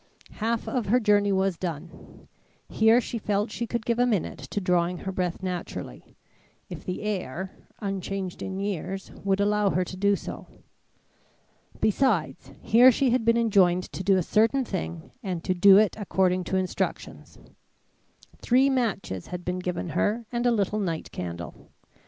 Half of her journey was done. Here she felt she could give a minute to drawing her breath naturally, if the air, unchanged in years, would allow her to do so. Besides, here she had been enjoined to do a certain thing and to do it according to instructions. Three matches had been given her and a little night candle.